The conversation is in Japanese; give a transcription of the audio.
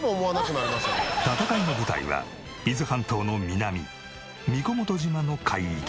戦いの舞台は伊豆半島の南神子元島の海域。